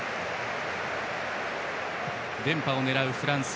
連覇を狙うフランス。